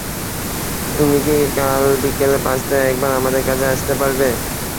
তুমি কি কাল বিকেল পাঁচটায় একবার আমার কাছে আসতে পারবে?